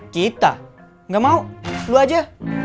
kita nggak mau lo aja